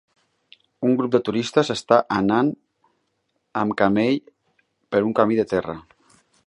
Un grup de turistes està anant amb camell per un camí de terra.